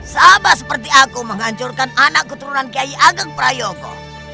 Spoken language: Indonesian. sama seperti aku menghancurkan anak keturunan kiai ageng prayoko